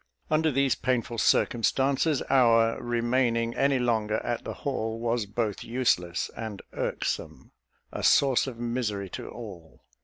Under these painful circumstances, our remaining any longer at the Hall was both useless and irksome a source of misery to all.